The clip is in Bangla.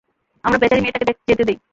আমরা বেচারী মেয়েটাকে যেতে দেই!